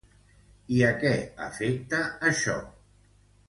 I a què afecta això?